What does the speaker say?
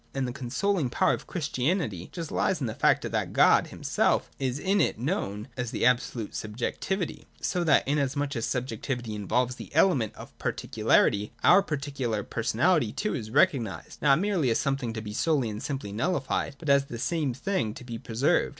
And that consoling power of Christianity just lies in the fact that God himself is in it known as the absolute subjectivity, so that, inasmuch as subjectivity involves the element of particularity, our particular personality too is recognised not merely as something to be solely and simply nullified, but as at the same time something to be preserved.